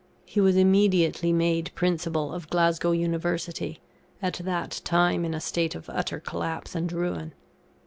He was immediately made Principal of Glasgow University, at that time in a state of utter collapse and ruin.